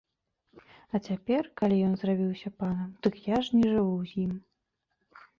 А цяпер, калі ён зрабіўся панам, дык я ж не жыву з ім.